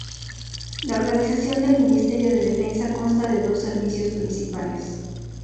La organización del Ministerio de Defensa consta de dos servicios principales.